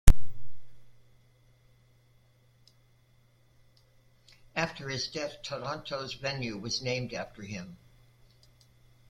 After his death, Taranto's venue was named after him.